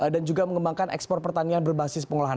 dan ekspor pertanian berbasis pengolahan